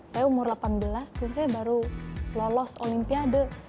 saya umur delapan belas dan saya baru lolos olimpiade